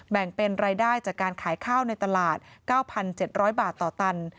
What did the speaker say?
แบ่งเป็นรายได้จากการขายข้าวในตลาด๙๗๐๐บาทต่อตัน